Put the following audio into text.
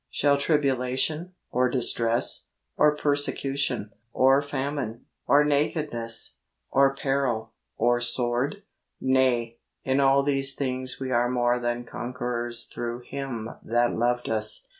Shall tribulation, or distress, or persecution, or famine, or nakedness. 6o THE WAY OF HOLINESS or peril, or sword ? Nay, in all these things we are more than conquerors through Him that loved us.